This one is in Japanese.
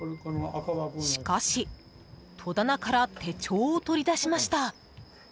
しかし、戸棚から手帳を取り出しました。